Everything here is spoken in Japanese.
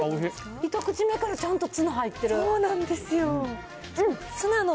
一口目からちゃんとツナ入っそうなんですよ。